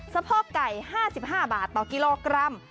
สะโพกไก่๕๕บาทต่อกิโลกรัม